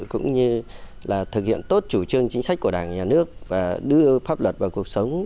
cũng như là thực hiện tốt chủ trương chính sách của đảng nhà nước và đưa pháp luật vào cuộc sống